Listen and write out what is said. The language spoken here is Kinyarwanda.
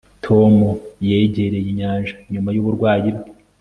tom yegereye inyanja nyuma yuburwayi bwe